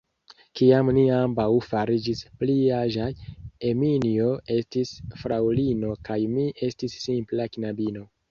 Kiam ni ambaŭ fariĝis pli aĝaj, Eminjo estis fraŭlino kaj mi estis simpla knabino.